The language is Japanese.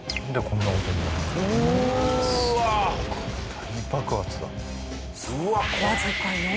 大爆発だ。